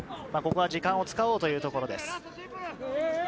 ここは時間を使おうというところです。